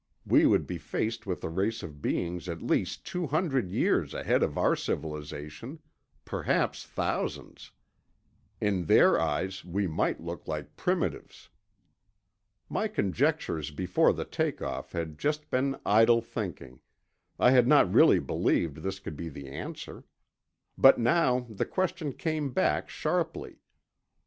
We would be faced with a race of beings at least two hundred years ahead of our civilization—perhaps thousands. In their eyes, we might look like primitives. My conjectures before the take off had just been idle thinking; I had not really believed this could be the answer. But now the question came back sharply.